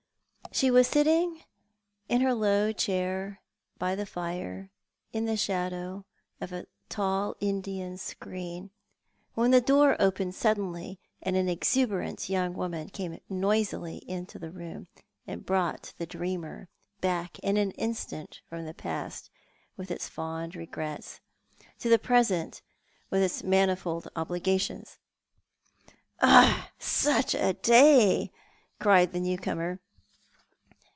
She was sitting in her low chair by the fire, in the shadow of a tall Indian screen, when the door opened suddenly and an exuberant young woman came noisily into the room, and brought the dreamer back in an instant from the past with its fond regrets to the present with its manifold obligations. " Oh, such a day !" cried the new comer.